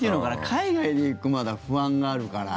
海外で行くまだ不安があるから。